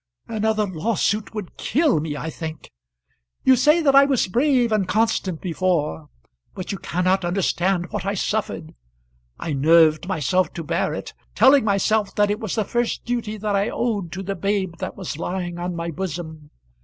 "Another lawsuit would kill me, I think. You say that I was brave and constant before, but you cannot understand what I suffered. I nerved myself to bear it, telling myself that it was the first duty that I owed to the babe that was lying on my bosom.